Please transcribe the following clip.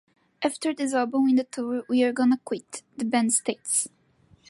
"After this album and the tour, we're gonna quit" the band states.